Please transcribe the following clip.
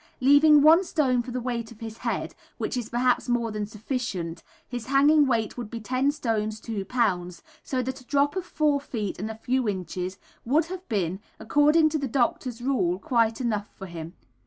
Leaving 1 stone for the weight of his head, which is perhaps more than sufficient, his hanging weight would be 10 stones 2 lbs, so that a drop of 4 feet and a few inches[B] would have been, according to the doctor's rule, quite enough for him.